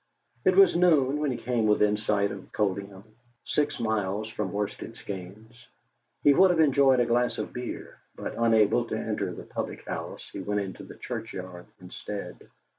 It was noon when he came within sight of Coldingham, six miles from Worsted Skeynes. He would have enjoyed a glass of beer, but, unable to enter the public house, he went into the churchyard instead.